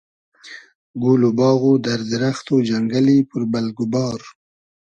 گول و باغ و دئر دیرئخت و جئنگئلی پور بئلگ و بار